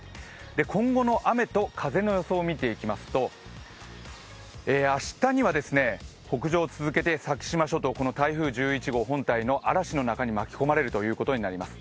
今後の雨と風の予想を見ていきますと明日には北上を続けて、先島諸島、この台風１１号本体の嵐の中に巻き込まれるということになります。